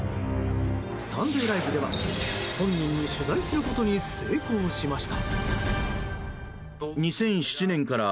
「サンデーＬＩＶＥ！！」では本人に取材することに成功しました。